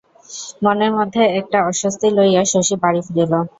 মনের মধ্যে একটা অস্বস্তি লইয়া শশী বাড়ি ফিরিল।